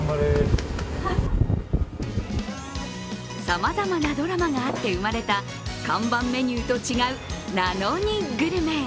さまざまドラマがあって生まれた看板メニューと違う「な・の・にグルメ」。